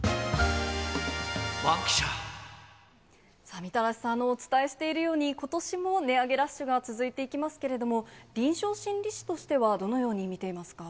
みたらしさん、お伝えしているように、ことしも値上げラッシュが続いていきますけれども、臨床心理士としてはどのように見ていますか？